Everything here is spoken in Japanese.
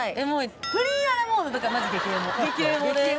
プリンアラモードとかマジ激エモ。